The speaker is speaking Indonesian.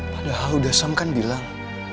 padahal udah sam kan bilang